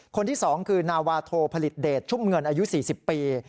คนที่๒คือนาวาโทผลิตเดชชุ่มเงินอายุ๔๐ปี